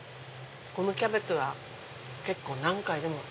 このキャベツは結構何回でも。